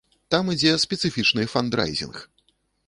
Там ідзе спецыфічны фандрайзінг.